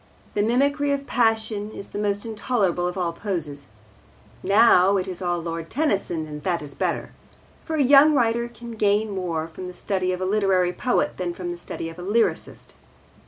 The mimicry of passion is the most intolerable of all poses. Now, it is all Lord Tennyson, and that is better. For a young writer can gain more from the study of a literary poet than from the study of a lyrist.